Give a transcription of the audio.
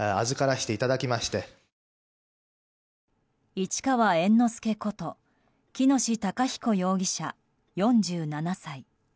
市川猿之助こと喜熨斗孝彦容疑者、４７歳。